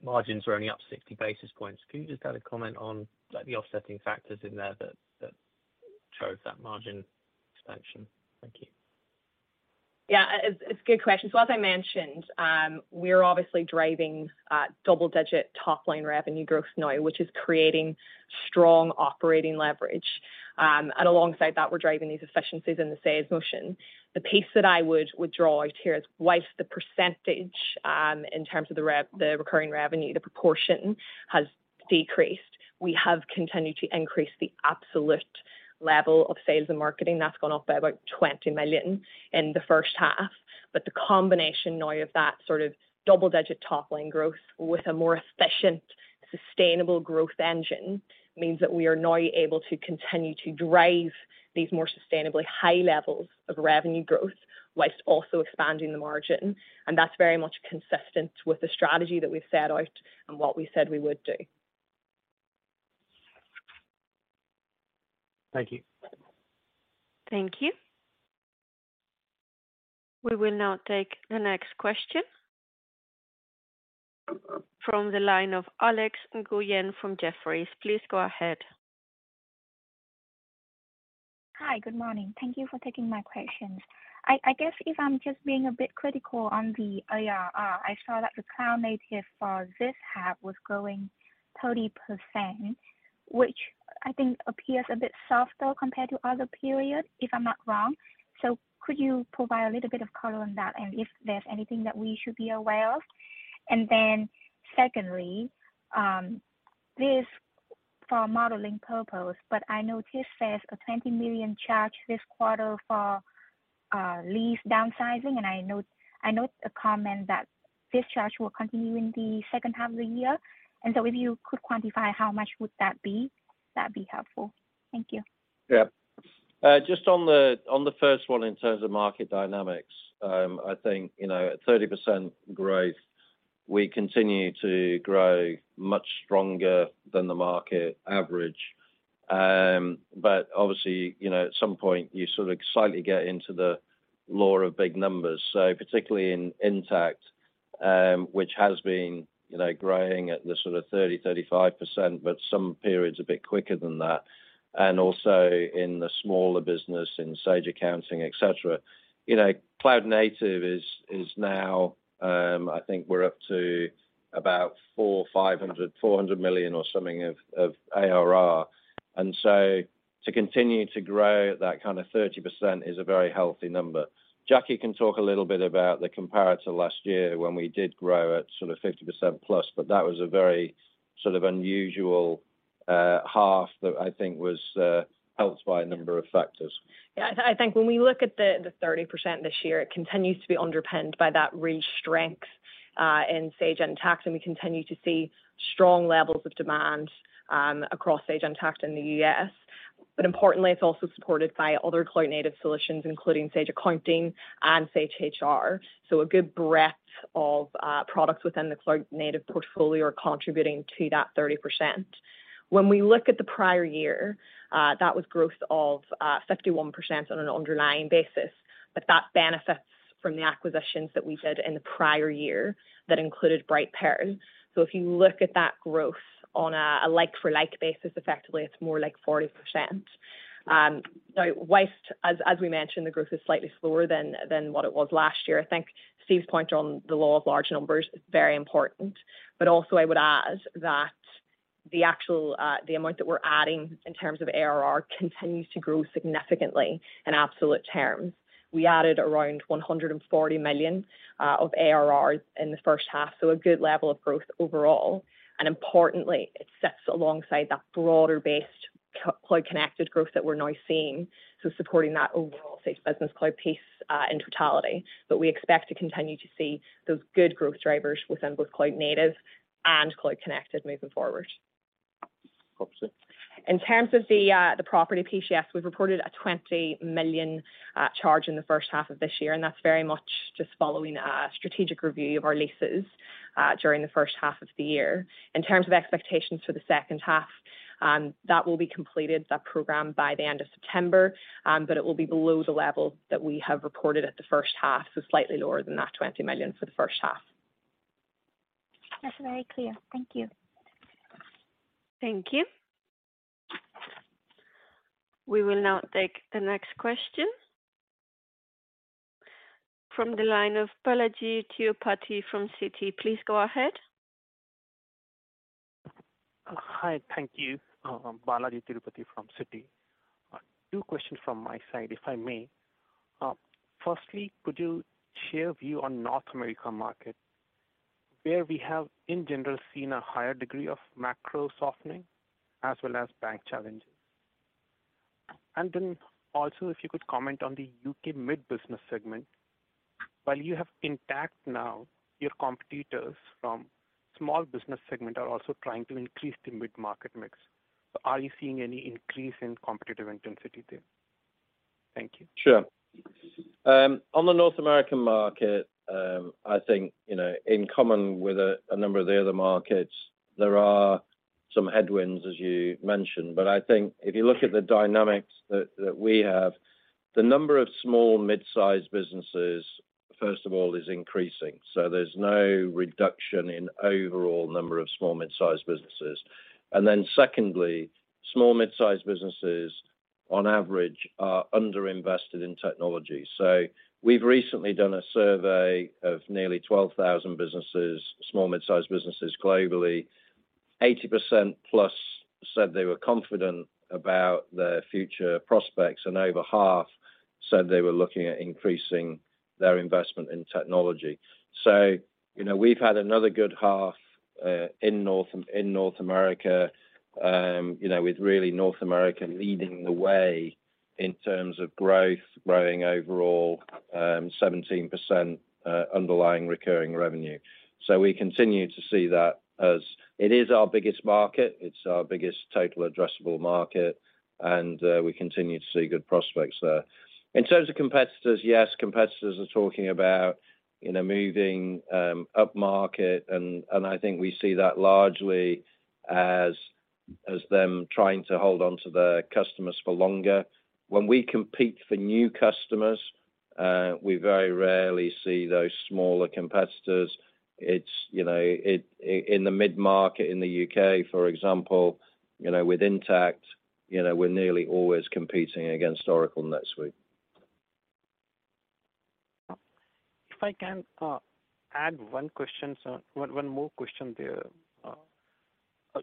Margins were only up 60 basis points. Could you just add a comment on the offsetting factors in there that drove that margin expansion? Thank you. Yeah. It's a good question. As I mentioned, we're obviously driving double-digit top-line revenue growth now, which is creating strong operating leverage. Alongside that, we're driving these efficiencies in the sales motion. The pace that I would withdraw out here is twice the percentage, in terms of the recurring revenue, the proportion has decreased. We have continued to increase the absolute level of sales and marketing. That's gone up by about 20 million in the first half. The combination now of that sort of double-digit top-line growth with a more efficient sustainable growth engine means that we are now able to continue to drive these more sustainably high levels of revenue growth whilst also expanding the margin. That's very much consistent with the strategy that we've set out and what we said we would do. Thank you. Thank you. We will now take the next question from the line of Alex Nguyen from Jefferies. Please go ahead. Hi. Good morning. Thank you for taking my questions. I guess if I'm just being a bit critical on the ARR, I saw that the Cloud Native for this half was growing 30%, which I think appears a bit softer compared to other periods, if I'm not wrong. Could you provide a little bit of color on that, and if there's anything that we should be aware of? Secondly, this for modeling purpose, but I noticed there's a 20 million charge this quarter for lease downsizing, and I note a comment that this charge will continue in the second half of the year. If you could quantify how much would that be, that'd be helpful. Thank you. Just on the first one in terms of market dynamics, I think, you know, at 30% growth, we continue to grow much stronger than the market average. Obviously, you know, at some point you sort of slightly get into the law of big numbers. Particularly in Intacct, which has been, you know, growing at the sort of 30%-35%, but some periods a bit quicker than that, and also in the smaller business in Sage Accounting, et cetera. You know, Cloud Native is now, I think we're up to about 400 million or something of ARR. To continue to grow at that kind of 30% is a very healthy number. Jacqui can talk a little bit about the comparator last year when we did grow at sort of 50%+, but that was a very sort of unusual half that I think was helped by a number of factors. Yeah. I think when we look at the 30% this year, it continues to be underpinned by that real strength in Sage Intacct. We continue to see strong levels of demand across Sage Intacct in the U.S. Importantly, it's also supported by other Cloud Native solutions, including Sage Accounting and Sage HR. A good breadth of products within the Cloud Native portfolio are contributing to that 30%. When we look at the prior year, that was growth of 51% on an underlying basis. That benefits from the acquisitions that we did in the prior year that included Brightpearl. If you look at that growth on a like for like basis, effectively it's more like 40%. Now whilst as we mentioned, the growth is slightly slower than what it was last year, I think Steve's point on the law of large numbers is very important. Also I would add that the actual amount that we're adding in terms of ARR continues to grow significantly in absolute terms. We added around 140 million of ARR in the first half, so a good level of growth overall. Importantly, it sits alongside that broader-based Cloud Connected growth that we're now seeing, so supporting that overall Sage Business Cloud piece in totality. We expect to continue to see those good growth drivers within both Cloud Native and Cloud Connected moving forward. Awesome. In terms of the property piece, yes, we've reported a 20 million charge in the first half of this year, that's very much just following a strategic review of our leases during the first half of the year. In terms of expectations for the second half, that will be completed, that program, by the end of September, it will be below the level that we have reported at the first half, so slightly lower than that 20 million for the first half. That's very clear. Thank you. Thank you. We will now take the next question from the line of Balajee Tirupati from Citi. Please go ahead. Hi. Thank you. Balajee Tirupati from Citi. Two questions from my side, if I may. Firstly, could you share view on North America market where we have in general seen a higher degree of macro softening as well as bank challenges? Also, if you could comment on the U.K. mid-business segment. While you have Intacct now, your competitors from small business segment are also trying to increase the mid-market mix. Are you seeing any increase in competitive intensity there? Thank you. Sure. On the North American market, I think, you know, in common with a number of the other markets, there are some headwinds, as you mentioned. I think if you look at the dynamics that we have, the number of small mid-sized businesses, first of all, is increasing. There's no reduction in overall number of small mid-sized businesses. Secondly, small mid-sized businesses on average are underinvested in technology. We've recently done a survey of nearly 12,000 businesses, small mid-sized businesses globally. 80%+ said they were confident about their future prospects, and over half said they were looking at increasing their investment in technology. You know, we've had another good half in North America, you know, with really North America leading the way in terms of growth, growing overall 17% underlying recurring revenue. We continue to see that as it is our biggest market, it's our biggest total addressable market, and we continue to see good prospects there. In terms of competitors, yes, competitors are talking about, you know, moving upmarket, and I think we see that largely as them trying to hold on to their customers for longer. When we compete for new customers, we very rarely see those smaller competitors. It's, you know, in the mid-market in the U.K., for example, you know, with Sage Intacct, you know, we're nearly always competing against Oracle NetSuite. If I can add one question, sir. One more question there.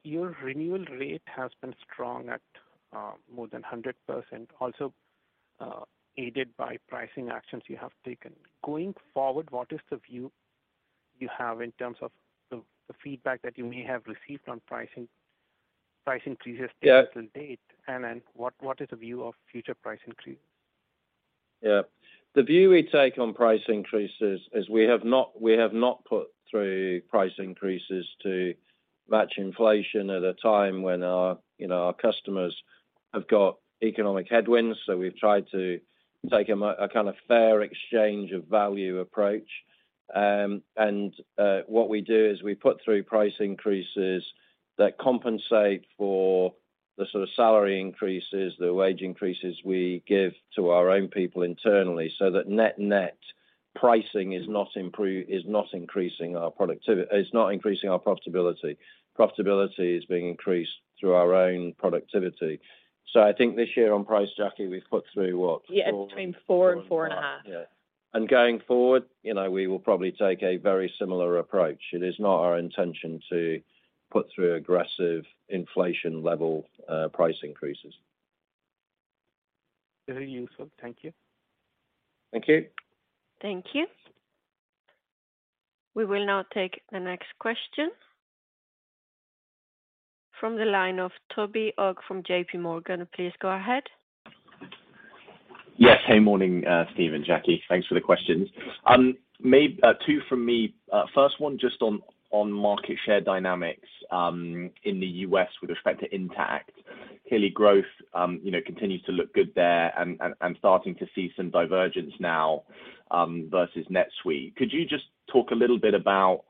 Your renewal rate has been strong at more than 100%, also aided by pricing actions you have taken. Going forward, what is the view you have in terms of the feedback that you may have received on pricing, price increases? Yeah. To date? what is the view of future price increase? The view we take on price increases is we have not put through price increases to match inflation at a time when our, you know, our customers have got economic headwinds. We've tried to take a kind of fair exchange of value approach. What we do is we put through price increases that compensate for the sort of salary increases, the wage increases we give to our own people internally, so that net-net pricing is not increasing our productivity is not increasing our profitability. Profitability is being increased through our own productivity. I think this year on price, Jacqui, we've put through what? 4%- Yeah, between 4% and 4.5%. Four and five. Yeah. Going forward, you know, we will probably take a very similar approach. It is not our intention to put through aggressive inflation-level price increases. Very useful. Thank you. Thank you. Thank you. We will now take the next question from the line of Toby Ogg from JPMorgan. Please go ahead. Yes. Hey, morning, Steve and Jacqui. Thanks for the questions. Two from me. First one, just on market share dynamics in the U.S. with respect to Intacct. Clearly growth continues to look good there and starting to see some divergence now vs NetSuite. Could you just talk a little bit about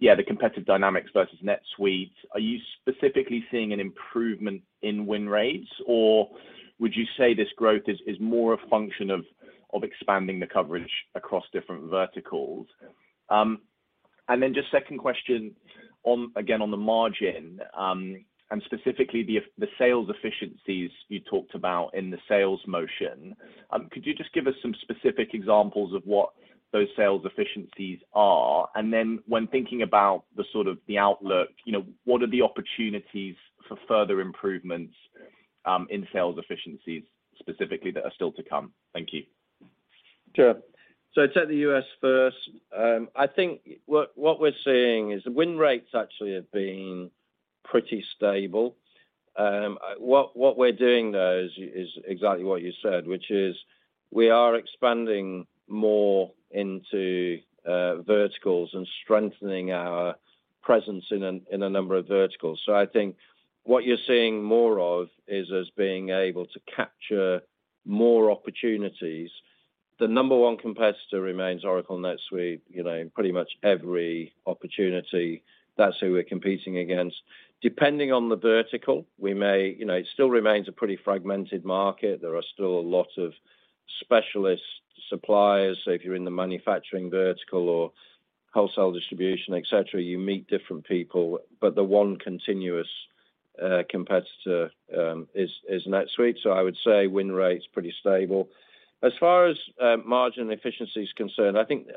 the competitive dynamics vs NetSuite? Are you specifically seeing an improvement in win rates, or would you say this growth is more a function of expanding the coverage across different verticals? Just second question on, again, on the margin, and specifically the sales efficiencies you talked about in the sales motion. Could you just give us some specific examples of what those sales efficiencies are? Then when thinking about the sort of the outlook, you know, what are the opportunities for further improvements in sales efficiencies specifically that are still to come? Thank you. Sure. I'd set the U.S. first. I think what we're seeing is the win rates actually have been pretty stable. What we're doing though is exactly what you said, which is we are expanding more into verticals and strengthening our presence in a number of verticals. I think what you're seeing more of is us being able to capture more opportunities. The number one competitor remains Oracle NetSuite, you know, in pretty much every opportunity, that's who we're competing against. Depending on the vertical, we may, you know, it still remains a pretty fragmented market. There are still a lot of specialist suppliers. If you're in the manufacturing vertical or wholesale distribution, et cetera, you meet different people. But the one continuous competitor is NetSuite. I would say win rate's pretty stable. As far as margin efficiency is concerned, I think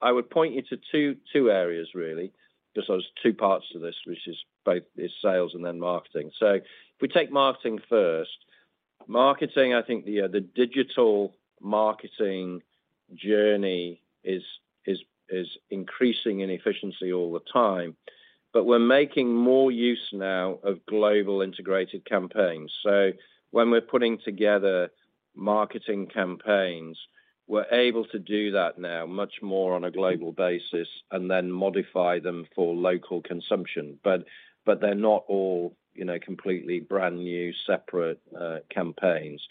I would point you to two areas really, just there's two parts to this, which is both is sales and then marketing. If we take marketing first. Marketing, I think the digital marketing journey is increasing in efficiency all the time. We're making more use now of global integrated campaigns. When we're putting together marketing campaigns, we're able to do that now much more on a global basis and then modify them for local consumption. They're not all, you know, completely brand new, separate campaigns.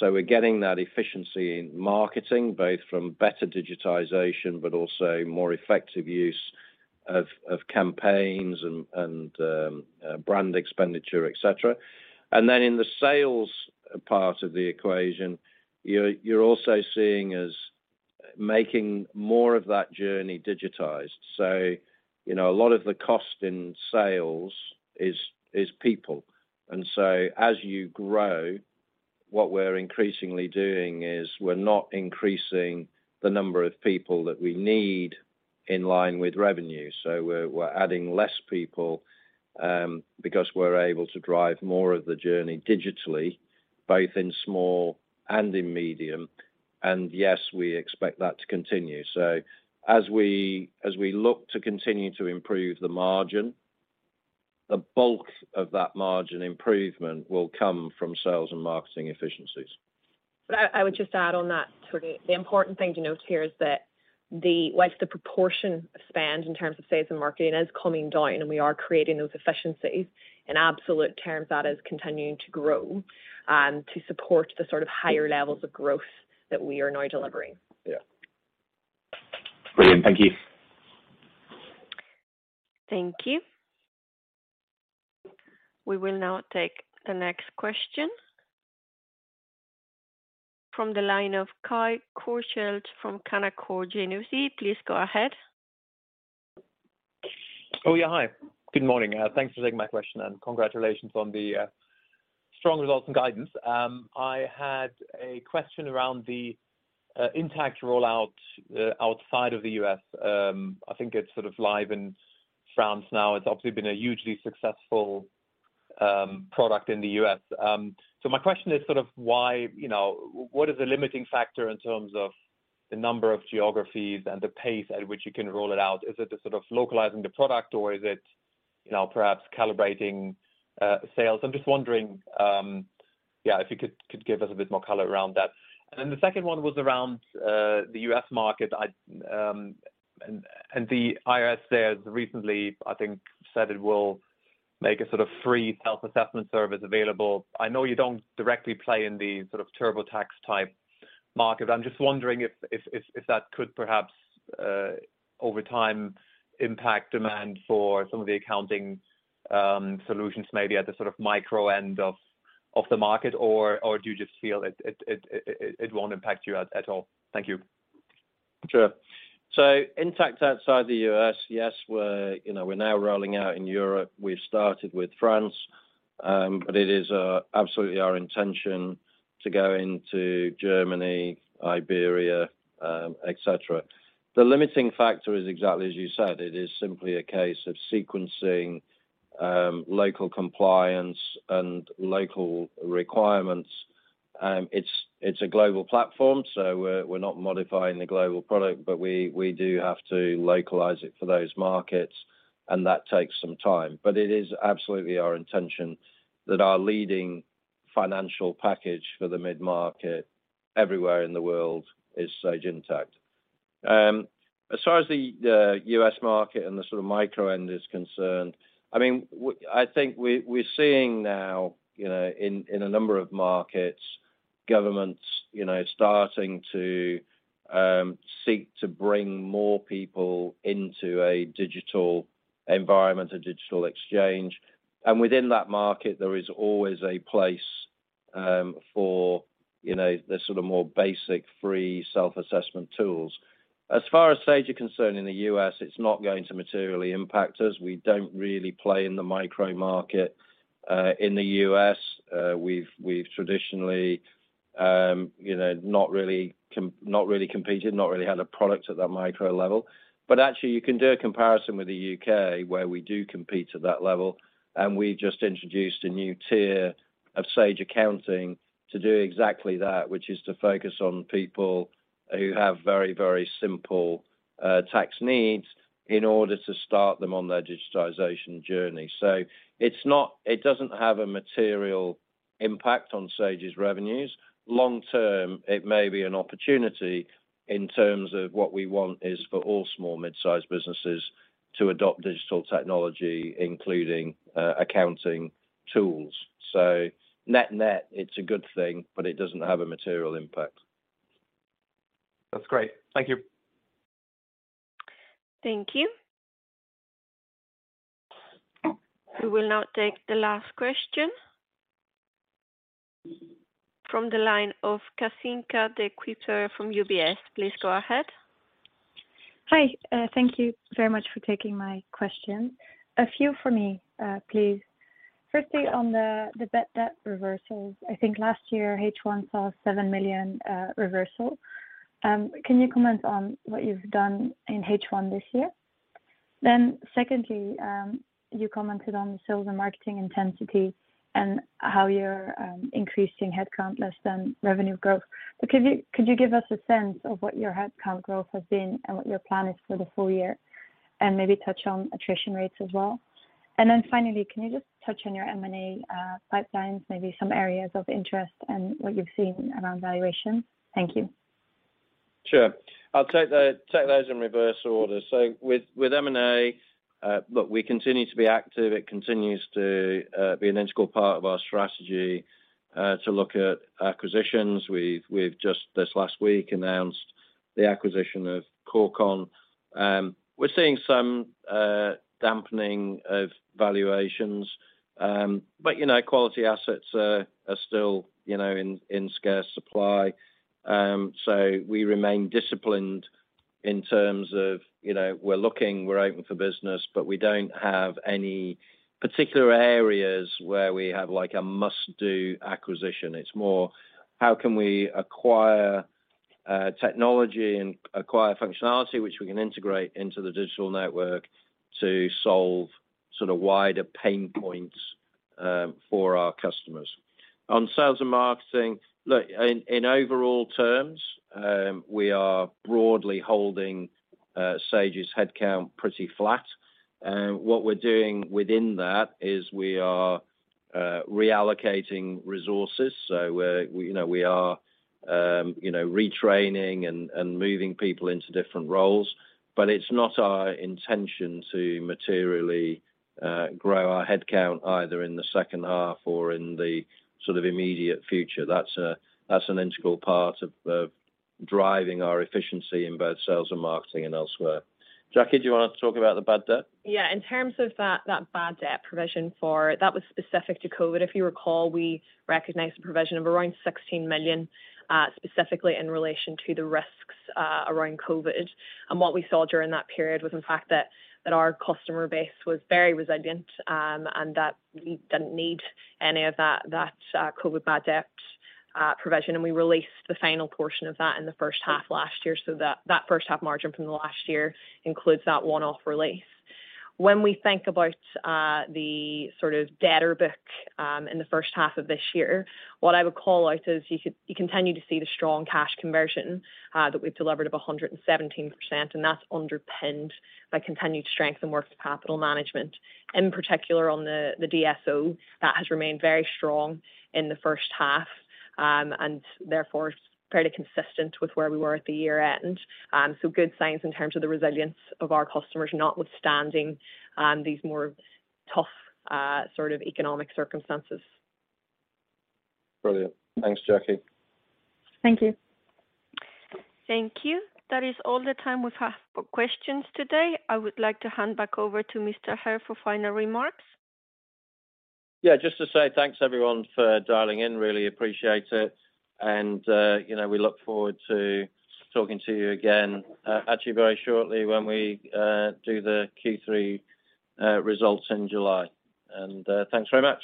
We're getting that efficiency in marketing both from better digitization, but also more effective use of campaigns and brand expenditure, et cetera. In the sales part of the equation, you're also seeing us making more of that journey digitized. You know, a lot of the cost in sales is people. As you grow. What we're increasingly doing is we're not increasing the number of people that we need in line with revenue. We're adding less people because we're able to drive more of the journey digitally, both in small and in medium. Yes, we expect that to continue. As we look to continue to improve the margin, the bulk of that margin improvement will come from sales and marketing efficiencies. I would just add on that, Toby. The important thing to note here is that whilst the proportion of spend in terms of sales and marketing is coming down, and we are creating those efficiencies, in absolute terms, that is continuing to grow, to support the sort of higher levels of growth that we are now delivering. Yeah. Brilliant. Thank you. Thank you. We will now take the next question. From the line of Kai Korschelt from Canaccord Genuity. Please go ahead. Yeah. Hi, good morning. Thanks for taking my question, and congratulations on the strong results and guidance. I had a question around the Intacct rollout outside of the U.S. I think it's sort of live in France now. It's obviously been a hugely successful product in the U.S. My question is sort of why, you know, what is the limiting factor in terms of the number of geographies and the pace at which you can roll it out? Is it the sort of localizing the product, or is it, you know, perhaps calibrating sales? I'm just wondering, yeah, if you could give us a bit more color around that. Then the second one was around the U.S. market. I... The IRS there has recently, I think, said it will make a sort of free health assessment service available. I know you don't directly play in the sort of TurboTax-type market. I'm just wondering if that could perhaps over time impact demand for some of the accounting solutions, maybe at the sort of micro end of the market. Do you just feel it won't impact you at all? Thank you. Sure. Intacct outside the U.S., yes, we're, you know, we're now rolling out in Europe. We've started with France, but it is absolutely our intention to go into Germany, Iberia, et cetera. The limiting factor is exactly as you said. It is simply a case of sequencing, local compliance and local requirements. It's, it's a global platform, so we're not modifying the global product, but we do have to localize it for those markets, and that takes some time. It is absolutely our intention that our leading financial package for the mid-market everywhere in the world is Sage Intacct. As far as the U.S. market and the sort of micro end is concerned, I mean, I think we're seeing now, you know, in a number of markets, governments, you know, starting to seek to bring more people into a digital environment or digital exchange. Within that market, there is always a place for, you know, the sort of more basic free self-assessment tools. As far as Sage are concerned, in the U.S., it's not going to materially impact us. We don't really play in the micro market in the U.S. We've, we've traditionally, you know, not really competed, not really had a product at that micro level. Actually, you can do a comparison with the U.K., where we do compete at that level, and we just introduced a new tier of Sage Accounting to do exactly that, which is to focus on people who have very, very simple tax needs in order to start them on their digitization journey. It doesn't have a material impact on Sage's revenues. Long term, it may be an opportunity in terms of what we want is for all small mid-sized businesses to adopt digital technology, including accounting tools. Net-net, it's a good thing, but it doesn't have a material impact. That's great. Thank you. Thank you. We will now take the last question. From the line of Kathinka De Kuyper from UBS. Please go ahead. Hi. Thank you very much for taking my question. A few for me, please. Firstly, on the bad debt reversals. I think last year, H1 saw 7 million reversal. Can you comment on what you've done in H1 this year? Secondly, you commented on the sales and marketing intensity and how you're increasing headcount less than revenue growth. Could you give us a sense of what your headcount growth has been and what your plan is for the full year? Maybe touch on attrition rates as well. Finally, can you just touch on your M&A pipelines, maybe some areas of interest and what you've seen around valuation? Thank you. Sure. I'll take those in reverse order. With M&A, look, we continue to be active. It continues to be an integral part of our strategy to look at acquisitions. We've just this last week announced the acquisition of Corecon. We're seeing some dampening of valuations. You know, quality assets are still, you know, in scarce supply. We remain disciplined. In terms of, you know, we're looking, we're open for business, but we don't have any particular areas where we have like a must-do acquisition. It's more how can we acquire technology and acquire functionality which we can integrate into the digital network to solve sort of wider pain points for our customers. On sales and marketing, look, in overall terms, we are broadly holding Sage's headcount pretty flat. What we're doing within that is we are reallocating resources. We're, you know, we are, you know, retraining and moving people into different roles. It's not our intention to materially grow our headcount either in the second half or in the sort of immediate future. That's an integral part of driving our efficiency in both sales and marketing and elsewhere. Jacqui, do you wanna talk about the bad debt? Yeah. In terms of that bad debt provision that was specific to COVID. If you recall, we recognized a provision of around 16 million specifically in relation to the risks around COVID. What we saw during that period was, in fact, that our customer base was very resilient, and that we didn't need any of that COVID bad debt provision. We released the final portion of that in the first half last year. That first half margin from the last year includes that one-off release. When we think about the sort of debtor book in the first half of this year, what I would call out is you continue to see the strong cash conversion that we've delivered of 117%. That's underpinned by continued strength in working capital management, in particular on the DSO. That has remained very strong in the first half, therefore fairly consistent with where we were at the year-end. Good signs in terms of the resilience of our customers, notwithstanding these more tough sort of economic circumstances. Brilliant. Thanks, Jacqui. Thank you. Thank you. That is all the time we have for questions today. I would like to hand back over to Steve Hare for final remarks. Yeah, just to say thanks, everyone, for dialing in. Really appreciate it. You know, we look forward to talking to you again, actually very shortly when we do the Q3 results in July. Thanks very much.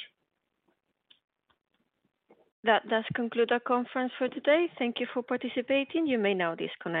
That does conclude our conference for today. Thank you for participating. You may now disconnect.